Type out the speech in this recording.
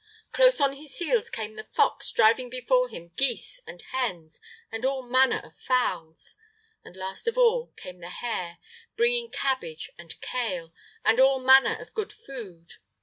Close on his heels came the fox, driving before him geese and hens, and all manner of fowls; and last of all came the hare, bringing cabbage and kale, and all manner of good food.